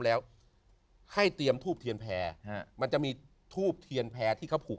แล้วให้เตรียมทูบเทียนแพร่ฮะมันจะมีทูบเทียนแพร่ที่เขาผูก